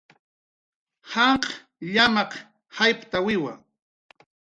Janq' llamaq jayptawiwa